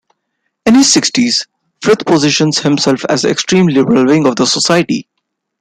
In his sixties, Frith positioned himself at the extreme liberal wing of society.